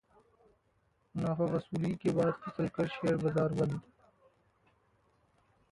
मुनाफावसूली के बाद फिसलकर शेयर बाजार बंद